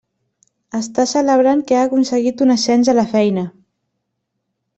Està celebrant que ha aconseguit un ascens a la feina.